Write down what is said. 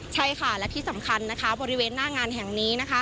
ใช่ค่ะและที่สำคัญนะคะบริเวณหน้างานแห่งนี้นะคะ